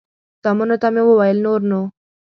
زامنو ته مې وویل نور نو.